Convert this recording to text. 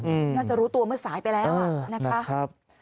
น่าจะรู้ตัวเมื่อสายไปแล้วอ่ะ